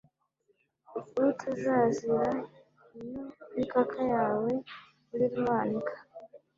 utazazira iyo mikaka yawe wirirwa wanika